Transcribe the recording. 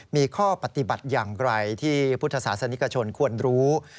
มีข้อปฏิบัติอย่างไรที่พุทธศาสนิกชนควรรู้